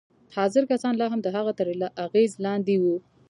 حاضر کسان لا هم د هغه تر اغېز لاندې وو